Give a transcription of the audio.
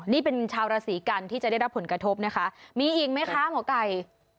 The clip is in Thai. นี่เป็นชาวราศีกันที่จะได้รับผลกระทบนะคะมีอีกไหมคะหมอไก่